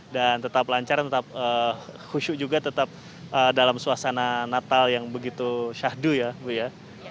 dan tetap lancar tetap khusus juga tetap dalam suasana natal yang begitu syahdu ya bu ya